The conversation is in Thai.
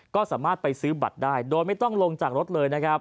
ก็สามารถไปซื้อบัตรได้โดยไม่ต้องลงจากรถเลยนะครับ